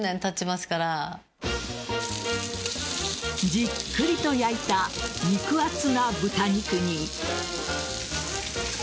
じっくりと焼いた肉厚な豚肉に。